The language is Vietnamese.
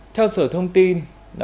theo sở thông tin